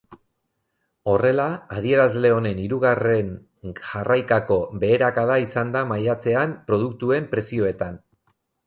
Horrela, adierazle honen hirugarren jarraikako beherakada izan da maiatzean produktuen prezioetan.